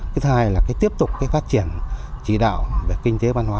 cái hai là cái tiếp tục cái phát triển chỉ đạo về kinh tế văn hóa